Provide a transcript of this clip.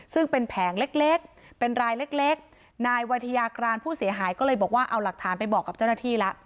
ซึ่งเป็นแผงเล็กเล็กเป็นรายเล็กนายวัยทยากรานผู้เสียหายก็เลยบอกว่าเอาหลักฐานไปบอกกับเจ้าหน้าที่แล้ว